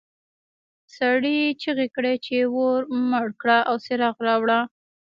سړي چیغې کړې چې اور مړ کړه او څراغ راوړه.